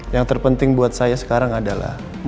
yang terpenting buat saya sekarang adalah